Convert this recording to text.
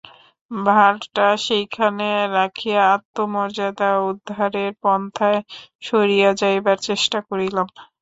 ভাঁড়টা সেইখানে রাখিয়া আত্মমর্যাদা- উদ্ধারের পন্থায় সরিয়া যাইবার চেষ্টা করিলাম।